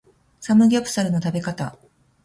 サムギョプサルの食べ方